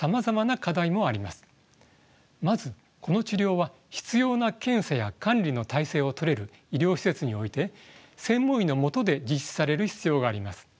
まずこの治療は必要な検査や管理の体制をとれる医療施設において専門医の下で実施される必要があります。